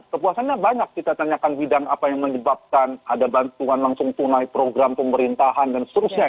kepuasannya banyak kita tanyakan bidang apa yang menyebabkan ada bantuan langsung tunai program pemerintahan dan seterusnya